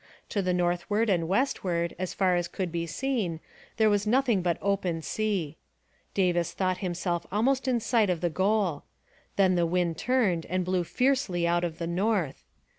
To the northward and westward, as far as could be seen, there was nothing but open sea. Davis thought himself almost in sight of the goal. Then the wind turned and blew fiercely out of the north.